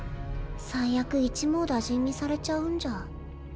最悪一網打尽にされちゃうんじゃ。